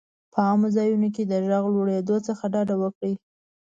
په عامه ځایونو کې د غږ لوړېدو څخه ډډه وکړه.